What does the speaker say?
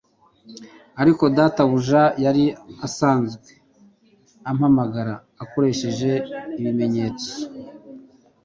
Ariko databuja yari asanzwe ampamagara akoresheje ibimenyetso